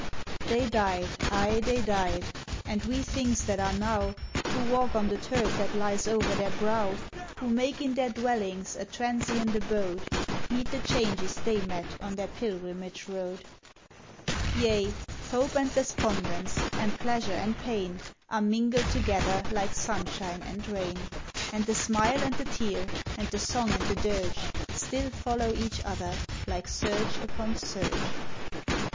They died, ay! they died! and we things that are now, Who walk on the turf that lies over their brow, Who make in their dwellings a transient abode, Meet the changes they met on their pilgrimage road. Yea! hope and despondence, and pleasure and pain, Are mingled together like sunshine and rain; And the smile and the tear, and the song and the dirge, Still follow each other, like surge upon surge.